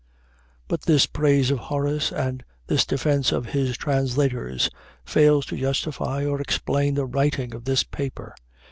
But this praise of Horace and this defense of his translators fails to justify or explain the writing of this paper.